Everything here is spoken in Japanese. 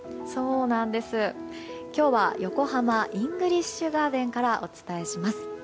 今日は横浜イングリッシュガーデンからお伝えします。